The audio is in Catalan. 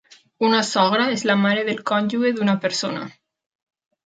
Una sogra és la mare del cònjuge d'una persona.